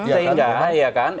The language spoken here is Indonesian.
sehingga ya kan